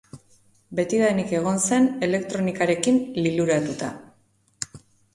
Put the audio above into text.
Betidanik egon zen elektronikarekin liluratuta.